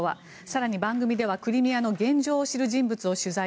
更に番組ではクリミアの現状を知る人物を取材。